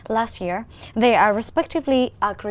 và chúng tôi đã nói với hồ chí minh và hà nội